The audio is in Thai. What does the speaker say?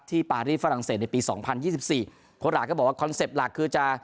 ปารีฝรั่งเศสในปีสองพันยี่สิบสี่โค้ดราก็บอกว่าคอนเซ็ปต์หลักคือจะ